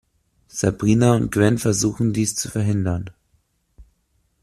Sabrina und Gwen versuchen dies zu verhindern.